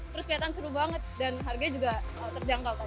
terus kelihatan seru banget dan harganya juga terjangkau